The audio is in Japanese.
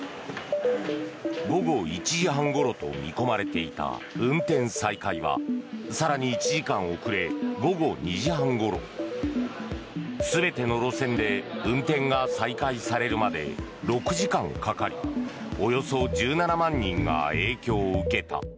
午後１時半ごろと見込まれていた運転再開は更に１時間遅れ午後２時半ごろ全ての路線で運転が再開されるまで６時間かかりおよそ１７万人が影響を受けた。